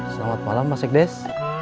selamat malam mas ekdes